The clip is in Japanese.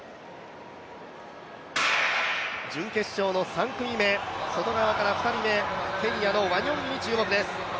準決勝の３組目、外側の２人目、ワニョンイに注目です。